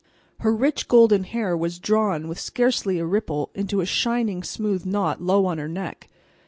Her rich golden hair was drawn, with scarcely a ripple, into a shining, smooth knot low on her neck.